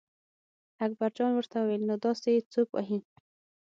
اکبرجان ورته وویل نو داسې یې څوک وهي.